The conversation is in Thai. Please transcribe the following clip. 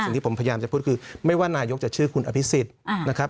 ที่ผมพยายามจะพูดคือไม่ว่านายกจะชื่อคุณอภิษฎนะครับ